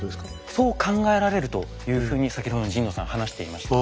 そう考えられるというふうに先ほどの神野さん話していました。